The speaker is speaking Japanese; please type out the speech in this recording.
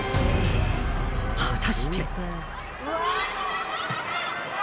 果たして。